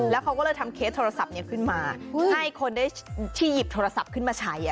แล้วเขาก็เลยทำเคสโทรศัพท์นี้ขึ้นมาให้คนได้ที่หยิบโทรศัพท์ขึ้นมาใช้